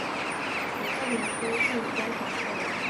以太平思顺道办理边防事务。